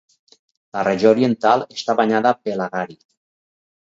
La regió oriental està banyada pel Hagari.